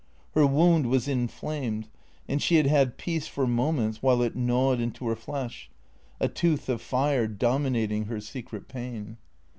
Her wound was inflamed, and she had had peace for moments while it gnawed into her flesh, a tooth of fire, dominating her secret pain.